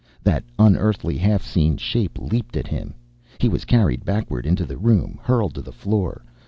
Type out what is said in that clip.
That unearthly, half seen shape leaped at him. He was carried backward into the room, hurled to the floor.